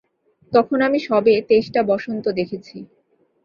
তখন আমি সবে তেইশটা বসন্ত দেখেছি।